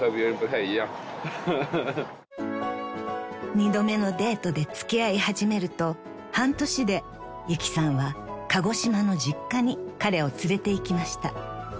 ［２度目のデートで付き合い始めると半年でゆきさんは鹿児島の実家に彼を連れていきました］